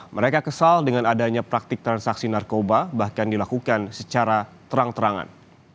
mereka kesal dengan adanya praktik transaksi narkoba bahkan dilakukan secara terang terangan